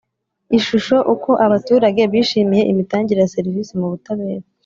Ishusho Uko abaturage bishimiye imitangire ya serivisi mu butabera